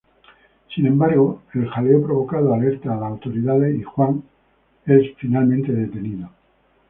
Sin embargo, el jaleo provocado alerta a las autoridades y Juan es finalmente detenido.